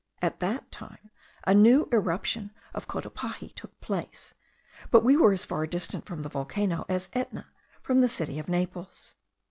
At that time a new eruption of Cotopaxi took place, but we were as far distant from the volcano, as Etna from the city of Naples.